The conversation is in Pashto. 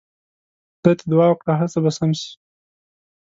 خدای ته دعا وکړه هر څه به سم سي.